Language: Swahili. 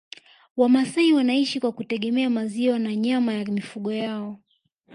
Wamasai wanaishi kwa kutegemea maziwa na nyama ya mifugo yao